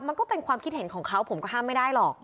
มันก็เป็นความคิดเห็นของเขาผมก็ห้ามไม่ได้หรอก